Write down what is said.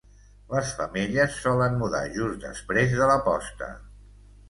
Les femelles solen mudar just després de la posta.